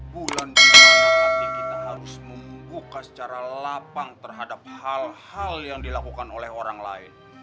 bulan di mana nanti kita harus membuka secara lapang terhadap hal hal yang dilakukan oleh orang lain